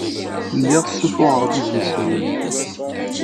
Lliɣ ssuffuɣeɣ-d idlisen.